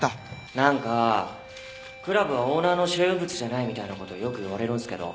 何かクラブはオーナーの所有物じゃないみたいなことよく言われるんすけど